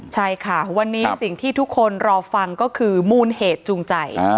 ใช่ค่ะวันนี้สิ่งที่ทุกคนรอฟังก็คือมูลเหตุจูงใจ